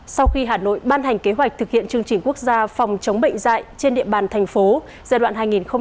sau khi hà nội ban hành kế hoạch thực hiện chương trình quốc gia phòng chống bệnh dạy trên địa bàn thành phố giai đoạn hai nghìn hai mươi hai hai nghìn ba mươi